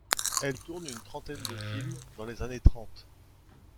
Elle tourne une trentaine de films dans les années trente.